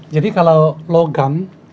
jadi kalau logam